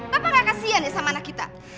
bapak gak kasian ya sama anak kita